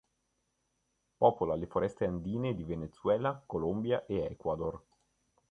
Popola le foreste andine di Venezuela, Colombia e Ecuador.